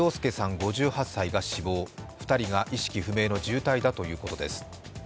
５８歳が死亡、２人が意識不明の重体だということです。